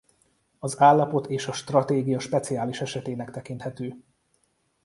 Az állapot és a stratégia speciális esetének tekinthető.